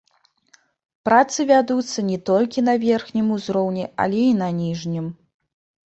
Працы вядуцца не толькі на верхнім узроўні, але і на ніжнім.